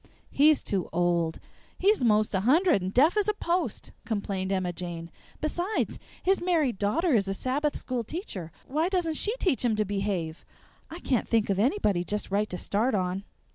"He's too old; he's most a hundred and deaf as a post," complained Emma Jane. "Besides, his married daughter is a Sabbath school teacher why doesn't she teach him to behave? I can't think of anybody just right to start on!"